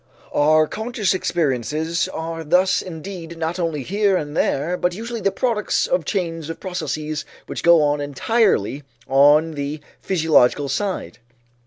Our conscious experiences are thus indeed not only here and there, but usually the products of chains of processes which go on entirely on the physiological side.